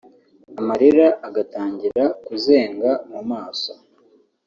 amarira agatangira kuzenga mu maso